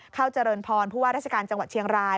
เข้าเจริญพรผู้ว่าราชการจังหวัดเชียงราย